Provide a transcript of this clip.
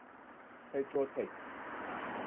ไฮโดรเท็ค